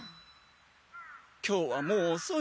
今日はもうおそい。